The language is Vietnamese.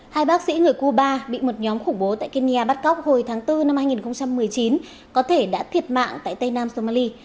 hai bác sĩ người cuba bị một nhóm khủng bố tại kenya bắt cóc hồi tháng bốn năm hai nghìn một mươi chín có thể đã thiệt mạng tại tây nam somali